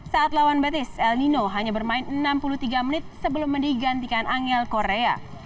saat lawan betis el nino hanya bermain enam puluh tiga menit sebelum digantikan angel korea